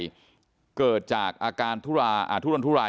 แล้วก็ช่วยกันนำนายธีรวรรษส่งโรงพยาบาล